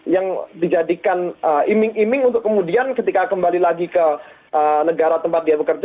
yang dijadikan iming iming untuk kemudian ketika kembali lagi ke negara tempat dia bekerja